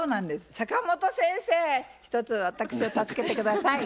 坂本先生ひとつ私を助けて下さい。